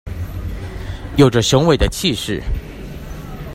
有著雄偉的氣勢